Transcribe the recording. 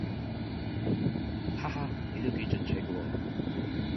哈哈你都幾進取㗎喎